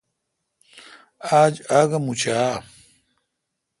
آج آگہ مُچہ آ؟